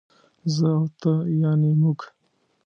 زه او ته يعنې موږ